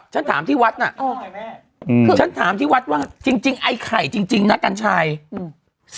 ฉันถามที่วัดน่ะอ๋อใครแม่อืมฉันถามที่วัดว่าจริงจริงไอ้ไข่จริงจริงนะกัญชัยอืม